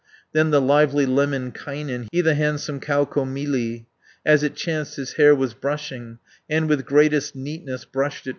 200 Then the lively Lemminkainen, He the handsome Kaukomieli, As it chanced, his hair was brushing, And with greatest neatness brushed it.